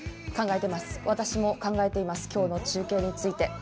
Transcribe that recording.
考えてます、私も考えています、今日の中継について。